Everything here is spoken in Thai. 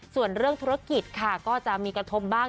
ส่วนเรื่องธุรกิจค่ะก็จะมีกระทบบ้าง